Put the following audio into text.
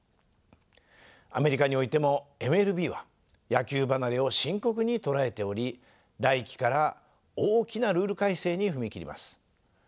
アメリカにおいてもＭＬＢは野球離れを深刻に捉えており来季から大きなルール改正に踏み切ります。